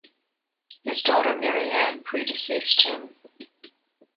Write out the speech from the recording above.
His daughter Maryanne predeceased him.